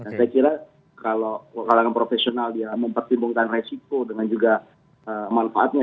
saya kira kalau profesional mempertimbangkan resiko dengan juga manfaatnya